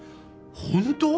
本当！？